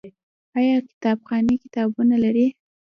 آیا کتابخانې کتابونه لري؟